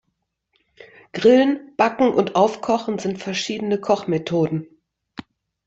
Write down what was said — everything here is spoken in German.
Grillen, Backen und Aufkochen sind verschiedene Kochmethoden.